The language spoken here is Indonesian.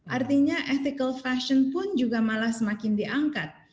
artinya ethical fashion pun juga malah semakin diangkat